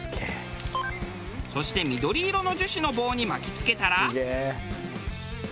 そして緑色の樹脂の棒に巻き付けたら。